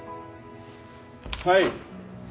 はい。